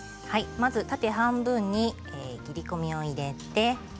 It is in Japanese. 縦半分に切り込みを入れて。